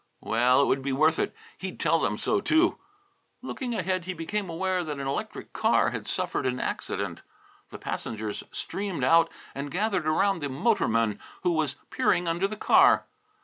Well, it would be worth it. He'd tell them so, too! Looking ahead, he became aware that an electric car had suffered an accident. The passengers streamed out and gathered around the motorman who was peering under the car.